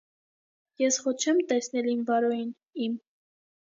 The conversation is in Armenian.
Ես խո չե՞մ տեսնիլ իմ Վարոյին, իմ…